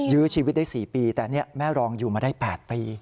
ยื้อชีวิตได้๔ปีแต่แม่รองอยู่มาได้๘ปี